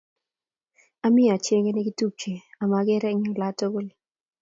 Ami achenge notupche amagere eng olatugul